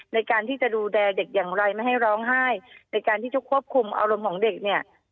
ในการที่จะดูแลเด็กอย่างไรไม่ให้ร้องไห้ในการที่จะควบคุมอารมณ์ของเด็กเนี่ย